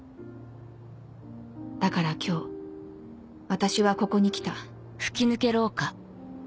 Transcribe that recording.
だから今日私はここに来た